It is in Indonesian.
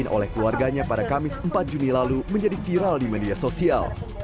oleh keluarganya pada kamis empat juni lalu menjadi viral di media sosial